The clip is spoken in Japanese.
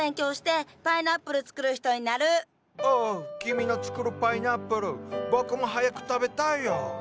Ｏｈ君の作るパイナップル僕も早く食べたいよ。